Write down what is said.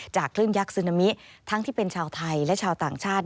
คลื่นยักษ์ซึนามิทั้งที่เป็นชาวไทยและชาวต่างชาติ